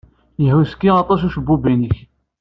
Yehhuski aṭas ucebbub-nnek.